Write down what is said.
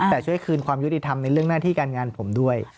แต่ช่วยคืนความยุติธรรมในเรื่องหน้าที่การงานผมด้วย